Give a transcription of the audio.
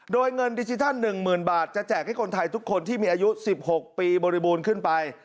โดยเงินดิจิทัล๑๐๐๐บาทจะแจกให้คนไทยทุกคนที่มีอายุ๑๖ปีบริบูรณ์ขึ้นไป